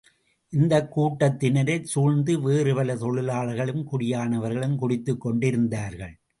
இந்தக் கூட்டத்தினரைச் சூழ்ந்து வேறு பல தொழிலாளர்களும் குடியானவர்களும் குடித்துக் கொண்டிருந்தார்கள்.